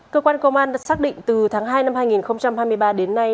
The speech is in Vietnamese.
cơ quan công an đã xác định từ tháng hai năm hai nghìn hai mươi ba đến nay